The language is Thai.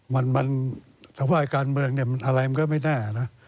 ถ้าว่าการเมืองอะไรมันก็ไม่แน่